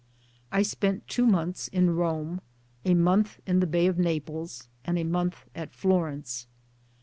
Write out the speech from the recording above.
I spent two months in Rome, a month in the Bay of Naples, and a month at Florence.